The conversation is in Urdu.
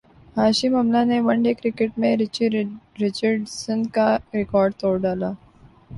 ہاشم املہ نے ون ڈے کرکٹ میں رچی رچرڈسن کا ریکارڈ توڑ ڈالا